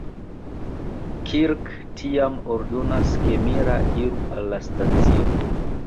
Kirk tiam ordonas ke Mira iru al la stacio.